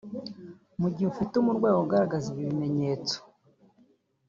Mu gihe ufite umurwayi ugaragaza ibi bimenyetso